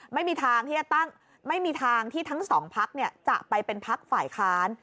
ไม่มีทางที่จะตั้งไม่มีทางที่ทั้งสองพักจะไปเป็นพักฝ่ายค้าน